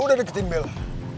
lo udah deketin bella